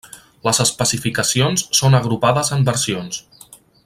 Les especificacions són agrupades en versions.